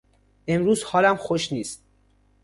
امروز حالم خوش نیست.